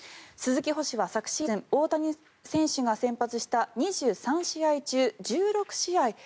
スズキ捕手は昨シーズン大谷選手が先発した２３試合中１６試合